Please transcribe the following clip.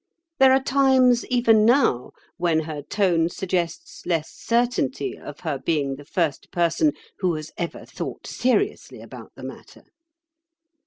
There are times even now when her tone suggests less certainty of her being the first person who has ever thought seriously about the matter.